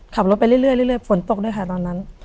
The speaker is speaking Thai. ขับรถไปเรื่อยฝนตกด้วยค่ะตอนนั้น